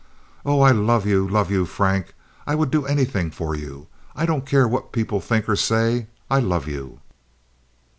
Oh, I love you, love you, Frank! I would do anything for you. I don't care what people think or say. I love you."